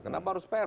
kenapa harus pr